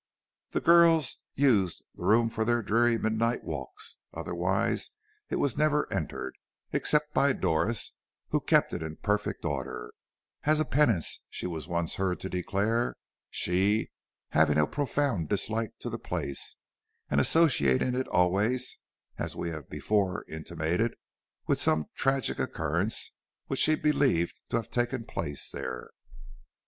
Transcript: The girls used the room for their dreary midnight walks; otherwise it was never entered, except by Doris, who kept it in perfect order, as a penance, she was once heard to declare, she having a profound dislike to the place, and associating it always, as we have before intimated, with some tragic occurrence which she believed to have taken place there.